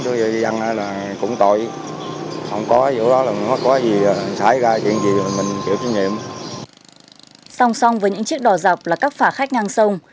sông sông và những chiếc đò dọc là các phà khách ngang sông